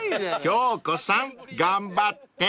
［京子さん頑張って］